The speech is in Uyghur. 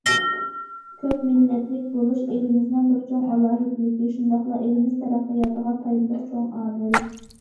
كۆپ مىللەتلىك بولۇش ئېلىمىزنىڭ بىر چوڭ ئالاھىدىلىكى، شۇنداقلا ئېلىمىز تەرەققىياتىغا پايدىلىق چوڭ ئامىل.